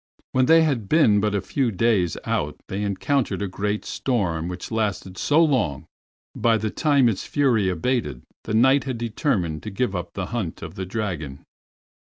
When they had been but a few days out they encountered a great storm which lasted so long that, by the time its fury abated, the Knight had determined to give up the hunt of the dragon.